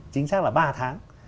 chính xác là ba tháng